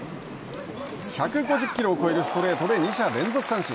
１５０キロを超えるストレートで２者連続三振。